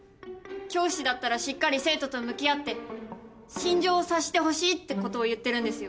教師だったらしっかり生徒と向き合って心情を察してほしいってことを言ってるんですよ。